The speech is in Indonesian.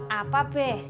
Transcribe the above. buat apa be